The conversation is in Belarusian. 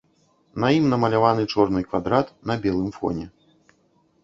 На ім намаляваны чорны квадрат на белым фоне.